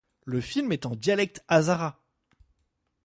Le film est en dialecte hazara.